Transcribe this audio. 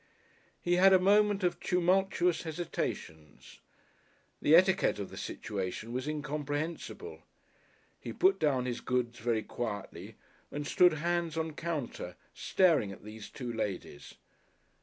He had a moment of tumultuous hesitations. The etiquette of the situation was incomprehensible. He put down his goods very quietly and stood hands on counter, staring at these two ladies.